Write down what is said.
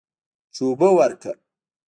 چې اوبه ورکړه.